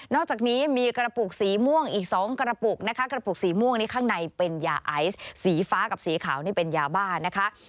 อกจากนี้มีกระปุกสีม่วงอีก๒กระปุกนะคะกระปุกสีม่วงนี้ข้างในเป็นยาไอซ์สีฟ้ากับสีขาวนี่เป็นยาบ้านะคะ